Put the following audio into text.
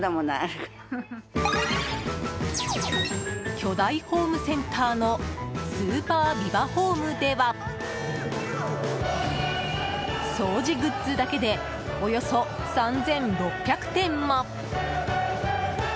巨大ホームセンターのスーパービバホームでは掃除グッズだけでおよそ３６００点も！